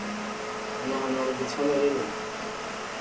O nahana hore ke tshwana le lona?